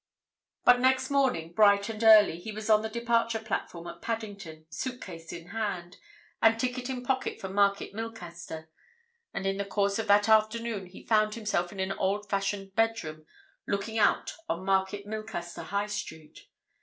But next morning, bright and early, he was on the departure platform at Paddington, suit case in hand, and ticket in pocket for Market Milcaster, and in the course of that afternoon he found himself in an old fashioned bedroom looking out on Market Milcaster High Street.